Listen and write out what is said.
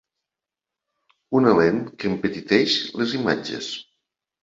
Una lent que empetiteix les imatges.